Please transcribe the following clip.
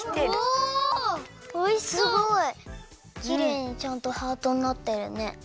きれいにちゃんとハートになってるね。